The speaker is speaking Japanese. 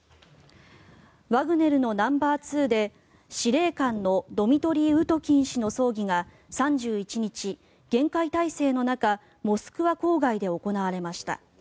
ワグネルのナンバーツーで司令官のドミトリー・ウトキン氏の葬儀が３１日、厳戒態勢の中モスクワ郊外で行われました。